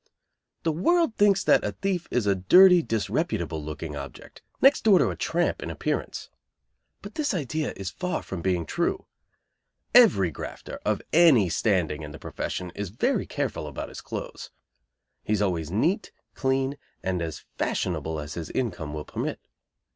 The world thinks that a thief is a dirty, disreputable looking object, next door to a tramp in appearance. But this idea is far from being true. Every grafter of any standing in the profession is very careful about his clothes. He is always neat, clean, and as fashionable as his income will permit.